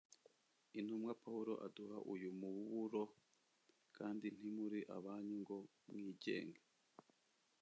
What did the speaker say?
intumwa pawulo aduha uyu muburo kandi ntimuri abanyu ngo mwigenge